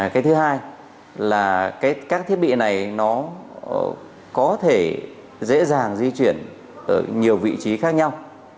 cái thứ hai là các thiết bị này nó có thể dễ dàng di chuyển ở nhiều vị trí khác nhau